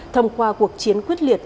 thông qua cuộc chiến quyết liệt